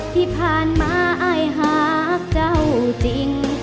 ที่ผ่านมาอายหากเจ้าจริง